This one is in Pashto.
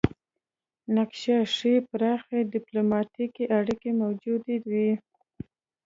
نقشه ښيي پراخې ډیپلوماتیکې اړیکې موجودې وې